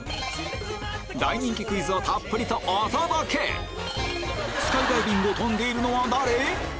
大人気クイズをたっぷりとお届けスカイダイビングを飛んでいるのは誰？